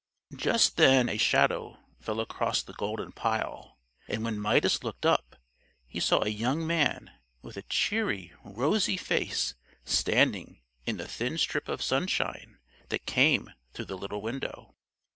Just then a shadow fell across the golden pile, and when Midas looked up he saw a young man with a cheery rosy face standing in the thin strip of sunshine that came through the little window.